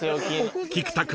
［菊田君